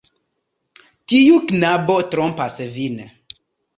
Tiu knabo trompas vin.